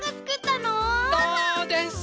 そうです。